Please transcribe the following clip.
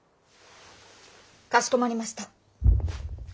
かしこまりました。